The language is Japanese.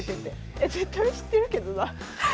え絶対知ってるけどな。